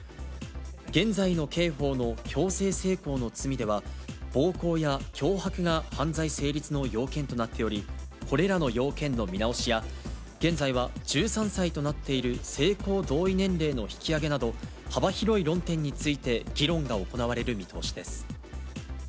現在の刑法の強制性交の罪では、暴行や脅迫が犯罪成立の要件となっており、これらの要件の見直しや、現在は１３歳となっている性交同意年齢の引き上げなど、幅広い論点について議論が行われる見通しです。